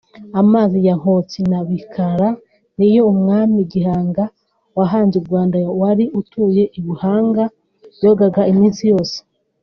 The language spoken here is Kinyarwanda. Amazi ya Nkotsi na Bikara niyo umwami Gihanga wahanze u Rwanda wari utuye i Buhanga yogaga iminsi yose